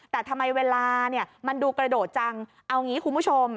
แต่ทำไมเวลาเนี่ยมันดูกระโดดจังเอางี้คุณผู้ชม